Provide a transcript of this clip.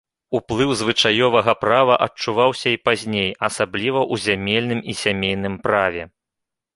Уплыў звычаёвага права адчуваўся і пазней, асабліва ў зямельным і сямейным праве.